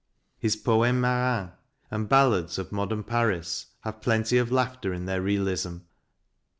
His " Poemes Marins " and ballads of modern Paris have plenty of laughter in their realism.